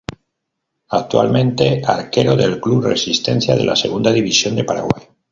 Actualmente arquero del club Resistencia de la Segunda División de Paraguay.